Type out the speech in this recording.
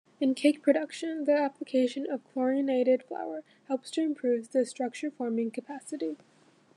In cake production, the application of chlorinated flour helps to improve the structure-forming capacity.